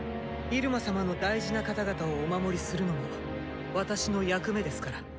入間様の大事な方々をお守りするのも私の役目ですから。